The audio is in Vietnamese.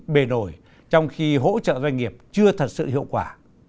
bề nổi trong khi hỗ trợ doanh nghiệp chưa thật sự hiệu quả